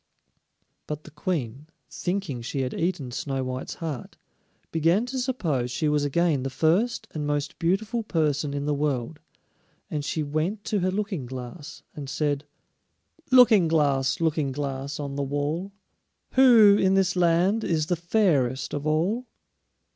But the Queen, thinking she had eaten Snow white's heart, began to suppose she was again the first and most beautiful person in the world; and she went to her Looking glass and said: "Looking glass, Looking glass, on the wall, Who in this land is the fairest of all?"